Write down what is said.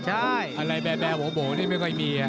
อะไรแบ่ไม่ค่อยมี